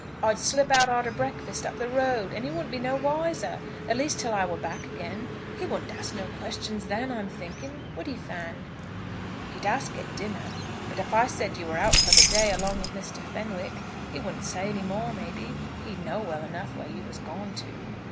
I'd slip out arter breakfast up the road, and he wouldn't be no wiser, at least till I war back again. He wouldn't ax no questions then, I'm thinking. Would he, Fan?" "He'd ask at dinner; but if I said you were out for the day along with Mr. Fenwick, he wouldn't say any more, maybe. He'd know well enough where you was gone to."